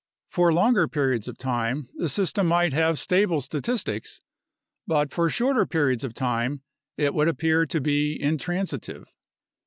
For longer periods of time the system might have stable statistics, but for shorter periods of time it would appear to be intransitive.